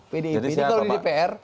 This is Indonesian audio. pdip jadi kalau di dpr